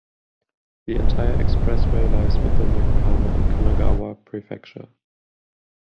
The entire expressway lies within Yokohama in Kanagawa Prefecture